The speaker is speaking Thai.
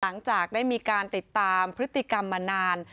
หลังจากได้มีการติดตามพฤติกรรมมานาน